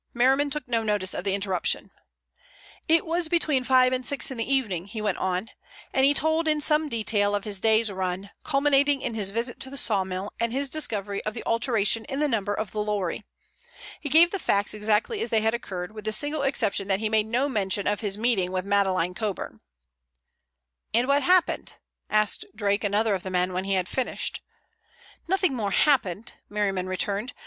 Merriman took no notice of the interruption. "It was between five and six in the evening," he went on, and he told in some detail of his day's run, culminating in his visit to the sawmill and his discovery of the alteration in the number of the lorry. He gave the facts exactly as they had occurred, with the single exception that he made no mention of his meeting with Madeleine Coburn. "And what happened?" asked Drake, another of the men, when he had finished. "Nothing more happened," Merriman returned.